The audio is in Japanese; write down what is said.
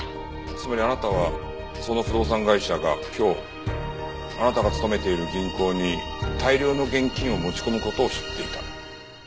つまりあなたはその不動産会社が今日あなたが勤めている銀行に大量の現金を持ち込む事を知っていた。